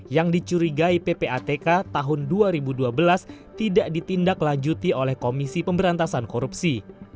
yang dicurigai ppatk tahun dua ribu dua belas tidak ditindaklanjuti oleh komisi pemberantasan korupsi